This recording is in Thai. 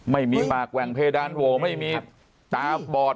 ไม่มีปากแหว่งเพดานโหวไม่มีตาบอด